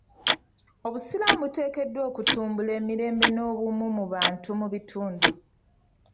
Obusiraamu buteekeddwa kutumbula mirembe n'obumu mu bantu mu bitundu.